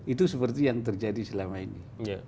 itu seperti yang terjadi selama ini